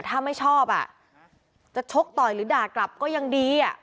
ถ้าไม่ชอบอ่ะจะชกต่อยหรือด่ากลับก็ยังดี